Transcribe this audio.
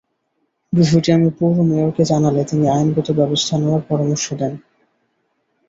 বিষয়টি আমি পৌর মেয়রকে জানালে তিনি আইনগত ব্যবস্থা নেওয়ার পরামর্শ দেন।